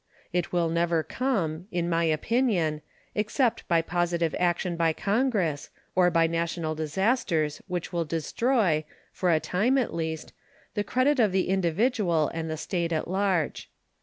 It will never come, in my opinion, except by positive action by Congress, or by national disasters which will destroy, for a time at least, the credit of the individual and the State at large.